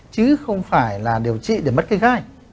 chứ không phải là điều trị để mất cái gai